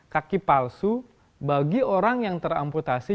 kaki palsu bagi orang yang teramputasi